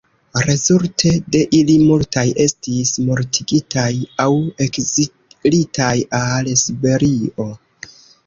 Rezulte de ili multaj estis mortigitaj aŭ ekzilitaj al Siberio.